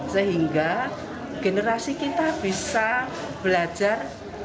sehingga generasi kita bisa belajar